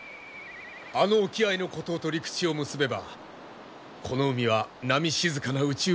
あの沖合の小島と陸地を結べばこの海は波静かな内海になる。